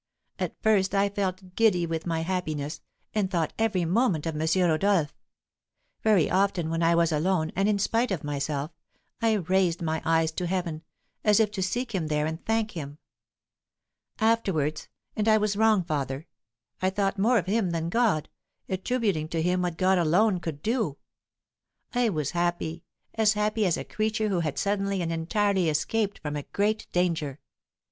At first I felt giddy with my happiness, and thought every moment of M. Rodolph. Very often when I was alone, and in spite of myself, I raised my eyes to heaven, as if to seek him there and thank him. Afterwards and I was wrong, father I thought more of him than God, attributing to him what God alone could do. I was happy as happy as a creature who had suddenly and entirely escaped from a great danger.